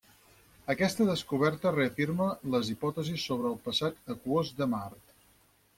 Aquesta descoberta reafirma les hipòtesis sobre el passat aquós de Mart.